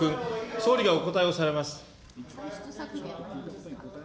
総理がお答えをされます。